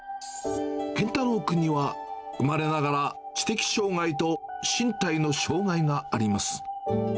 健太朗君には生まれながら、知的障がいと身体の障がいがあります。